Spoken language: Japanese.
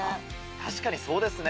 確かにそうですね。